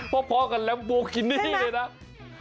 พอกับลัมโบกินี่เลยนะใช่ไหม